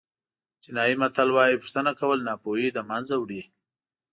چینایي متل وایي پوښتنه کول ناپوهي له منځه وړي.